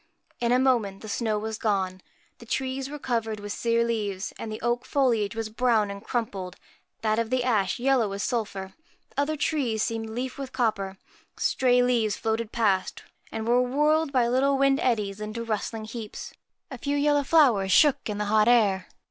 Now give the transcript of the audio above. In a moment the snow was gone. The trees were covered with sere leaves ; the oak foliage was brown and crumpled, that of the ash yellow as sulphur ; other trees seemed leafed with copper. Stray leaves floated past and were whirled by little wind eddies into rustling heaps. A few yellow flowers shook in the hot air.